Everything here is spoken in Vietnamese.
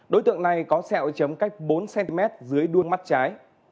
đối tượng này có sẹo chấm cách bốn cm dưới đuôi mắt trái